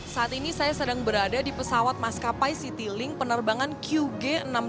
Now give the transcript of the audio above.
saat ini saya sedang berada di pesawat maskapai citilink penerbangan qg enam ratus delapan puluh empat